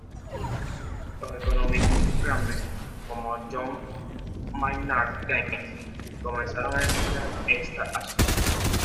Los economistas de Cambridge, como John Maynard Keynes, comenzaron a desafiar esta asunción.